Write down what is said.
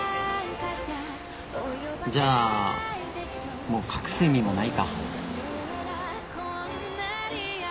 じゃあもう隠す意味もないか。